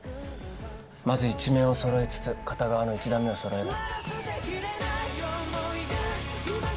まず１面をそろえつつ片側の１段目をそろえる。